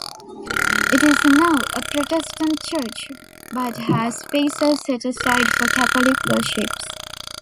It is now a Protestant church, but has spaces set aside for Catholic worship.